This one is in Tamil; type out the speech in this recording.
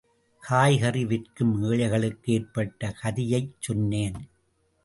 காய்கறி விற்கும் ஏழைகளுக்கு ஏற்பட்ட கதியைச் சொன்னேன்.